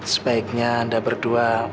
sebaiknya anda berdua